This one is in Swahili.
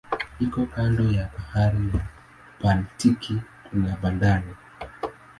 Iko kando ya bahari ya Baltiki kuna bandari.